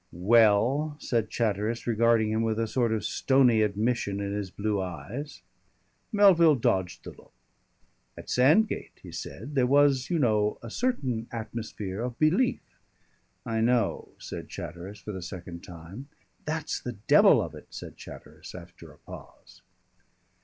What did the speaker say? "Well?" said Chatteris, regarding him with a sort of stony admission in his blue eyes. Melville dodged the look. "At Sandgate," he said, "there was, you know, a certain atmosphere of belief " "I know," said Chatteris for the second time. "That's the devil of it!" said Chatteris after a pause.